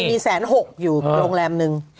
มีแสนหกอยู่โรงแรมนึง